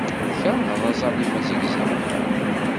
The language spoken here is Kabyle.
Tkeṛhed aẓalim azegzaw, naɣ?